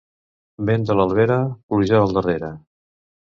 Vent de l'Albera, pluja al darrere.